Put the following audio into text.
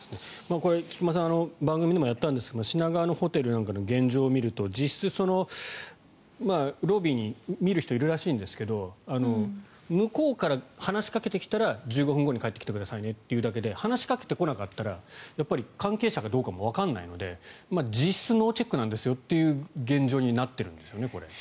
菊間さん番組でもやったんですけど品川のホテルの現状を見ると実質、ロビーに見る人いるらしいんですけど向こうから話しかけてきたら１５分後に帰ってきてくださいねって言うだけで話しかけてこなかったら関係者かどうかもわからないので実質ノーチェックなんですよという現状になっているんですよね。